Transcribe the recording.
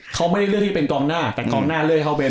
เขาไม่ได้เลือกที่เป็นกองหน้าแต่กองหน้าเลื่อยเขาเป็น